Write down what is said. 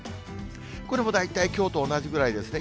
これも大体、きょうと同じぐらいですね。